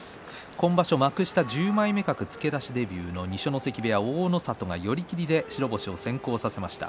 今場所幕下１０枚目格付け出しデビューの二所ノ関部屋の大の里が白星を先行させました。